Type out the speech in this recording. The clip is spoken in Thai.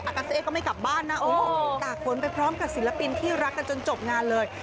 กาเซก็ไม่กลับบ้านนะโอ้โหตากฝนไปพร้อมกับศิลปินที่รักกันจนจบงานเลย